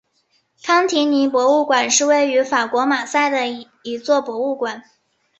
康提尼博物馆是位于法国马赛的一座博物馆。